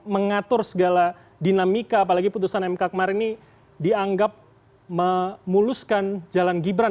mengatur segala dinamika apalagi putusan mk kemarin ini dianggap memuluskan jalan gibran